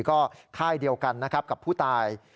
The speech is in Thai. ก็ค่ายเดียวกันนะครับกับผู้ตาย